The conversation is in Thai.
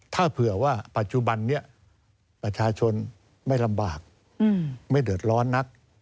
ถ้าเผื่อว่าปัจจุบันนี้ประชาชนไม่ลำบากไม่เดือดร้อนนัก